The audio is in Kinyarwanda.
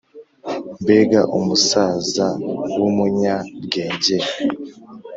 Mbega umusazawu munya bwenge